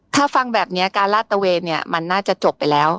ถ้าฟังแบบนี้การลาดตะเวนเนี่ยมันน่าจะจบไปแล้ว